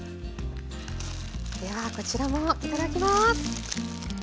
ではこちらもいただきます。